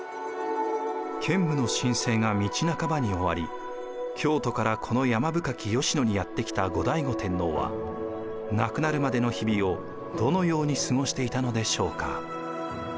建武の新政が道半ばに終わり京都からこの山深き吉野にやって来た後醍醐天皇は亡くなるまでの日々をどのように過ごしていたのでしょうか。